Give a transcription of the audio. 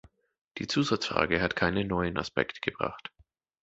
Die Zusatzfrage hat keinen neuen Aspekt gebracht.